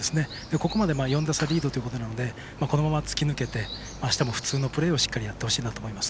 ここまで４打差リードということなのでこのまま突き抜けてあしたも普通のプレーをしっかりやってほしいなと思います。